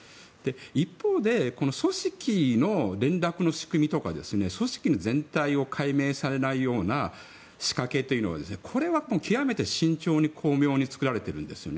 一方で組織の連絡の仕組みとか組織の全体を解明されないような仕掛けというのは極めて慎重に巧妙に作られているんですよね。